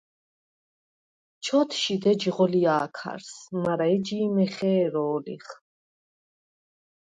ჩ’ოთშიდ ეჯი ღოლჲა̄ქარს, მარა ეჯი იმ ეხე̄რო̄ლიხ?